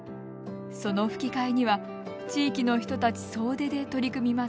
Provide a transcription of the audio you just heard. そのふき替えには地域の人たち総出で取り組みます。